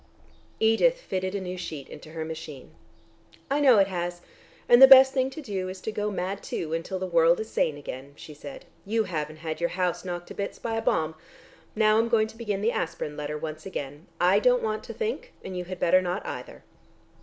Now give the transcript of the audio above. Edith fitted a new sheet into her machine. "I know it has, and the best thing to do is to go mad too, until the world is sane again," she said. "You haven't had your house knocked to bits by a bomb. Now I'm going to begin the aspirin letter once again. I don't want to think and you had better not, either."